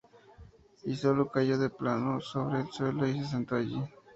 Y sólo cayó de plano sobre el suelo y se sentó allí.